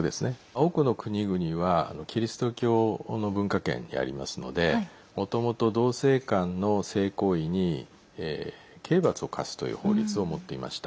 多くの国々はキリスト教の文化圏にありますのでもともと同性間の性行為に刑罰を科すという法律を持っていました。